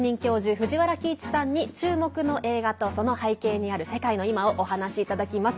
藤原帰一さんに注目の映画と、その背景にある世界の今をお話いただきます。